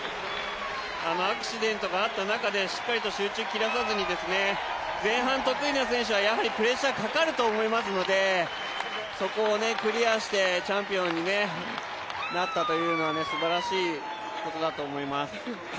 あのアクシデントがあった中でしっかりと集中切らさずに、前半得意な選手はやはりプレッシャーかかると思いますのでそこをクリアして、チャンピオンになったというのはすばらしいことだと思います。